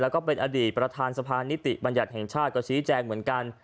แล้วก็เป็นอดีตประธานสะพานนิติบัญญัติแห่งชาติก็ชี้แจงเหมือนกัน